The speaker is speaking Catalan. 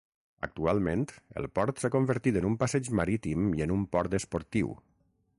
Actualment el port s'ha convertit en un passeig marítim i en un port esportiu.